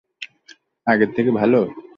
আগের থেকে ভাল?